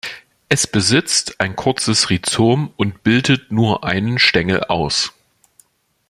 Es besitzt ein kurzes Rhizom und bildet nur einen Stängel aus.